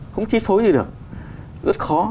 không chi phối gì được rất khó